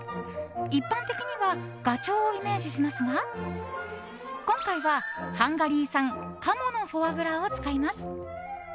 一般的にはガチョウをイメージしますが今回は、ハンガリー産カモのフォアグラを使います。